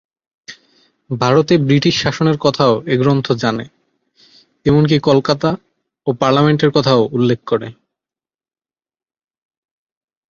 ভারতে ব্রিটিশ শাসনের কথাও এ গ্রন্থ জানে, এমনকি কলকাতা ও পার্লামেন্টের কথাও উল্লেখ করে।